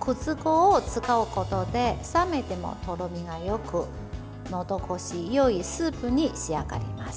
くず粉を使うことで冷めてもとろみがよくのどごしよいスープに仕上がります。